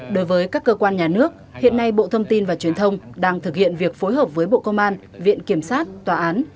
đối với các cơ quan nhà nước hiện nay bộ thông tin và truyền thông đang thực hiện việc phối hợp với bộ công an viện kiểm sát tòa án